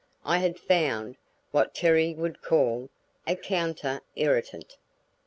I had found what Terry would call a counter irritant.